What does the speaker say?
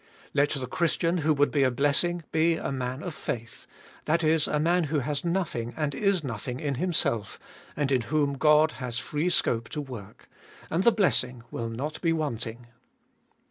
Let the Christian who would be a blessing be a man of faith, — that is, a man who has nothing and is nothing in himself, and in whom God has free scope to work, and the blessing will not be wanting.